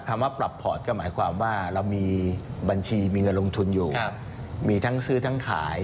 คำว่าปรับพอร์ตก็หมายความว่าเรามีบัญชีมีเงินลงทุนอยู่มีทั้งซื้อทั้งขาย